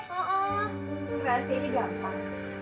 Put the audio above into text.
harusnya ini gampang